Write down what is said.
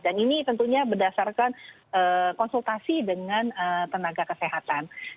dan ini tentunya berdasarkan konsultasi dengan tenaga kesehatan